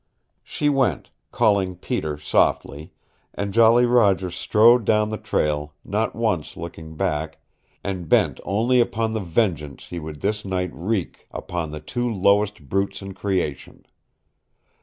She went, calling Peter softly, and Jolly Roger strode down the trail, not once looking back, and bent only upon the vengeance he would this night wreak upon the two lowest brutes in creation.